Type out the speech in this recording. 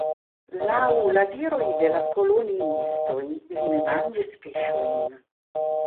Laŭ la diroj de la koloniistoj, ili ne manĝis fiŝojn.